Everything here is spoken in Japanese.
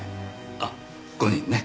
あっ５人ね。